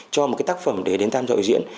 cho một cái tác phẩm để đến tham gia diễn